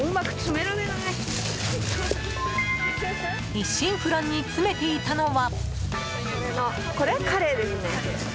一心不乱に詰めていたのは。